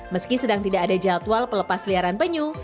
meski sedang tidak ada jadwal pelepas liaran penyu